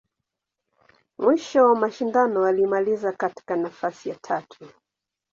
Mwisho wa mashindano, alimaliza katika nafasi ya tatu.